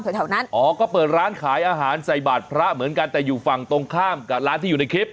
แถวนั้นอ๋อก็เปิดร้านขายอาหารใส่บาทพระเหมือนกันแต่อยู่ฝั่งตรงข้ามกับร้านที่อยู่ในคลิป